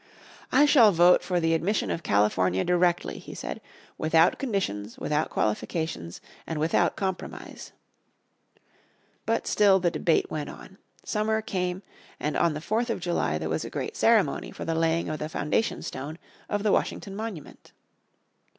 "I shall vote for the admission of California directly," he said, "without conditions, without qualifications, and without compromise." The Washington Monument But still the debate went on. Summer came and on the 4th of July 1850, there was a great ceremony for the laying of the foundation stone of the Washington Monument.